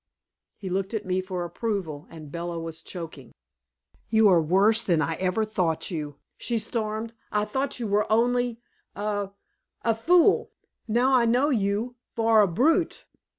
He looked at me for approval, and Bella was choking. "You are worse that I ever thought you," she stormed. "I thought you were only a a fool. Now I know you for a brute!"